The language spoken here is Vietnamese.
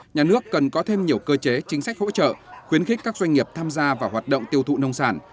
nhà nước cần có thêm nhiều cơ chế chính sách hỗ trợ khuyến khích các doanh nghiệp tham gia vào hoạt động tiêu thụ nông sản